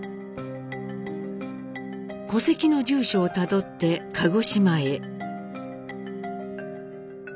戸籍の住所をたどって鹿児島へ。